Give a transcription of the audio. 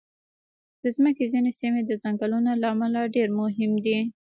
د مځکې ځینې سیمې د ځنګلونو له امله ډېر مهم دي.